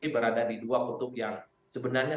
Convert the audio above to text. berada di dua kutub yang sebenarnya